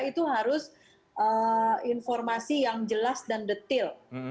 itu harus informasi yang jelas dan detail